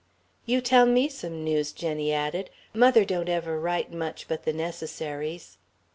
"... You tell me some news," Jenny added. "Mother don't ever write much but the necessaries."